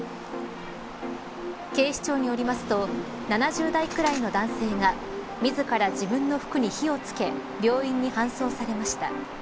警視庁によりますと７０代くらいの男性が自ら自分の服に火を付け病院に搬送されました。